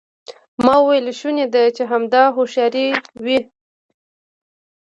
ما وویل شونې ده چې همدا هوښیاري وي.